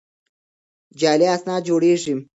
جعلي اسناد جوړېږي.